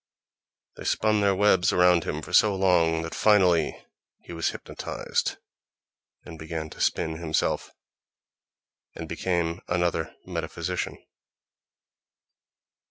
They spun their webs around him for so long that finally he was hypnotized, and began to spin himself, and became another metaphysician.